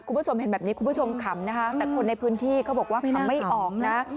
คุณผู้ชมเห็นแบบนี้คุณผู้ชมขำนะคะแต่คนในพื้นที่เขาบอกว่าขำไม่ออกนะ